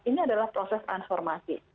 ini adalah proses informasi